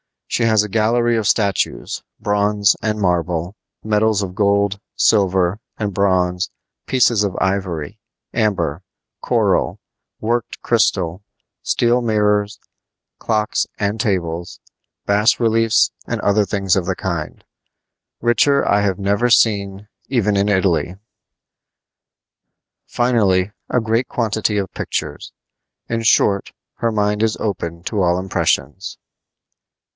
She has a gallery of statues, bronze and marble, medals of gold, silver, and bronze, pieces of ivory, amber, coral, worked crystal, steel mirrors, clocks and tables, bas reliefs and other things of the kind; richer I have never seen even in Italy; finally, a great quantity of pictures. In short, her mind is open to all impressions.